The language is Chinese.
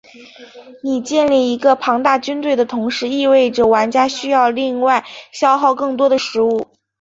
你建立一个庞大军队的同时意味着玩家需要另外消耗更多的食物。